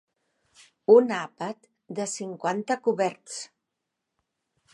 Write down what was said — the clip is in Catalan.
Un àpat de cinquanta coberts.